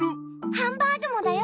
ハンバーグもだよ！